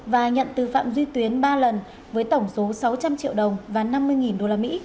và nhận từ phạm duy tuyến ba lần với tổng số sáu trăm linh triệu đồng và năm mươi usd